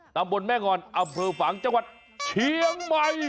ตำบลแม่งอนอำเภอฝังจังหวัดเชียงใหม่